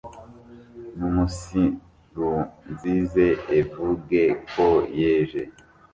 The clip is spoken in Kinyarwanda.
Numunsirunzize evuge ko yeje